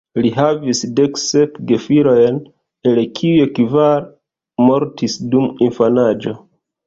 Li havis deksep gefilojn, el kiuj kvar mortis dum infanaĝo.